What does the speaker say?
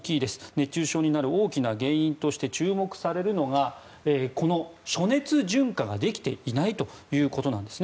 熱中症になる大きな原因として注目されるのが暑熱順化ができていないということです。